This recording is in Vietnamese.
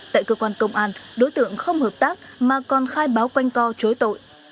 tại cơ quan công an đối tượng không hợp tác mà còn khai báo quanh co chối tội